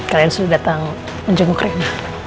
kalian sudah datang menjemuk rena